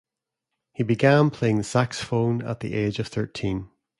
He began playing the saxophone at the age of thirteen.